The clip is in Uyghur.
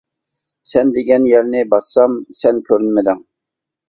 سەن دېگەن يەرنى باسسام سەن كۆرۈنمىدىڭ.